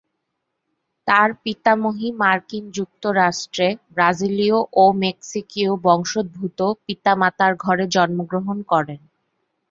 তার পিতামহী মার্কিন যুক্তরাষ্ট্রে ব্রাজিলীয় ও মেক্সিকীয় বংশোদ্ভূত পিতামাতার ঘরে জন্মগ্রহণ করেন।